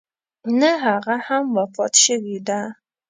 نه هغه هم وفات شوې ده.